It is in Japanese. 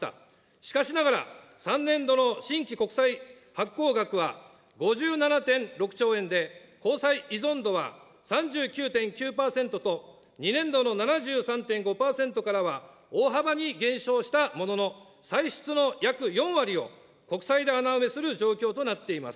しかしながら、３年度の新規国債発行額は５７．６兆円で、公債依存度は３９．９％と２年度の７３．５％からは大幅に減少したものの、歳出の約４割を国債で穴埋めする状況となっています。